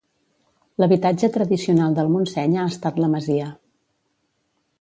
L'habitatge tradicional del Montseny ha estat la masia.